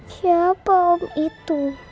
siapa om itu